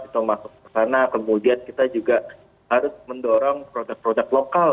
atau masuk ke sana kemudian kita juga harus mendorong produk produk lokal